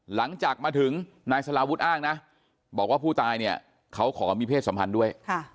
หลังจากมาถึงนายสลาวุฒิอ้างนะบอกว่าผู้ตายเนี่ยเขาขอมีเพศสัมพันธ์ด้วย